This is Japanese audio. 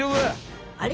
あれ？